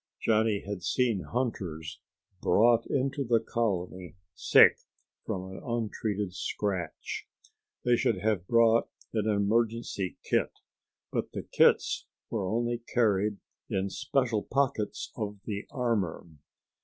Johnny had seen hunters brought into the colony sick from an untreated scratch. They should have brought an emergency kit, but the kits were only carried in special pockets of the armor.